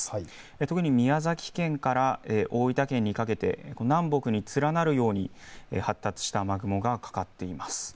特に宮崎県から大分県にかけて南北に連なるように発達した雨雲がかかっています。